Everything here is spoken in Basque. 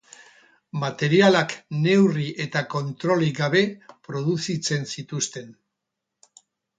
Materialak neurri eta kontrolik gabe produzitzen zituzten.